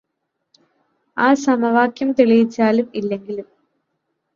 ആ സമവാക്യം തെളിയിച്ചാലും ഇല്ലെങ്കിലും